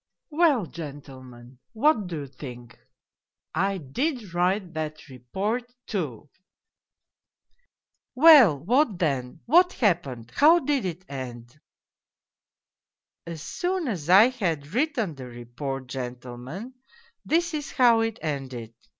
" Well, gentlemen, what do you think ? I did write that report, too !"" Well, what then 1 What happened ? How did it end ?"" As soon as I had written the report, gentlemen, this is how it ended.